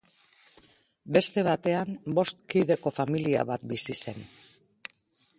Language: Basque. Beste batean bost kideko familia bat bizi zen.